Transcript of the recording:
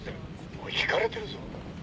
おい聞かれてるぞ！